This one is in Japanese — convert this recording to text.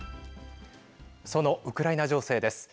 そのウクライナ情勢です。